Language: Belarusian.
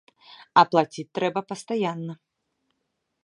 А плаціць трэба пастаянна.